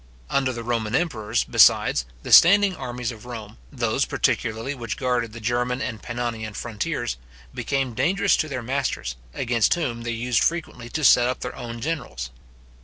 Under the Roman emperors, besides, the standing armies of Rome, those particularly which guarded the German and Pannonian frontiers, became dangerous to their masters, against whom they used frequently to set up their own generals.